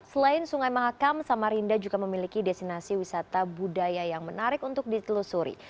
selain sungai mahakam samarinda juga memiliki destinasi wisata budaya yang menarik untuk ditelusuri